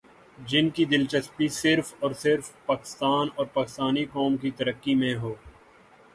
جن کی دلچسپی صرف اور صرف پاکستان اور پاکستانی قوم کی ترقی میں ہو ۔